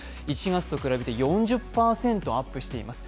１月と比べて４０％アップしています。